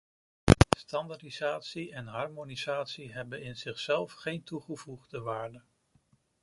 Standaardisatie en harmonisatie hebben in zichzelf geen toegevoegde waarde.